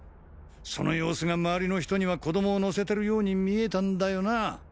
その様子が周りの人には子供を乗せてるように見えたんだよな？